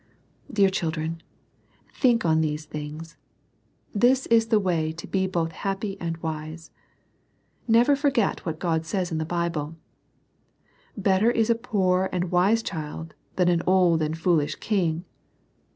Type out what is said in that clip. Dear children, think on these things. This is the way to be both happy and wise. Never forget what God says in the Bible :" Better is a poor and wise child, than an old and foolish king."